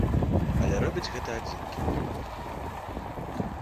Але робяць гэта адзінкі.